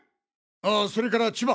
ああそれから千葉！